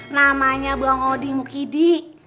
namanya buangodi mukidi